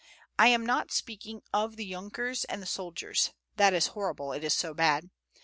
I am not speaking of the yunkers and the soldiers. That is horrible, it is so bad.